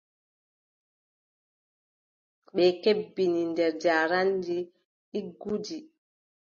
Ɓe kebbini nde njaareendi ɗiggundi.